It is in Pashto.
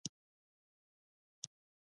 د کرنې او مالدارۍ پروګرام رایاد کړ.